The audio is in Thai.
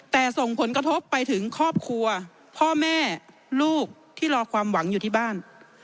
แต่ส่งผลกระทบไปถึงครอบครัวพ่อแม่ลูกที่รอความหวังอยู่ที่บ้าน